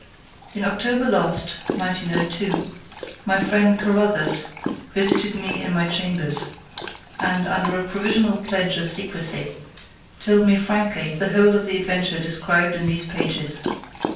In October last (1902), my friend "Carruthers" visited me in my chambers, and, under a provisional pledge of secrecy, told me frankly the whole of the adventure described in these pages.